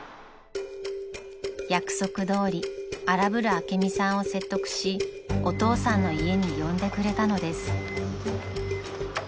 ［約束どおり荒ぶる朱美さんを説得しお父さんの家に呼んでくれたのです］